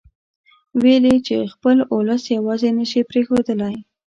ويل يې چې خپل اولس يواځې نه شي پرېښودلای.